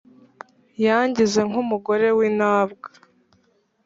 yangize nk’umugore w’intabwa,